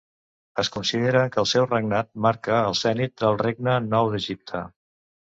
Es considera que el seu regnat marca el zenit del Regne Nou d'Egipte.